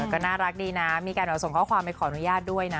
ก็น่ารักดีนะมีการส่งข้อความไปขออนุญาตด้วยนะ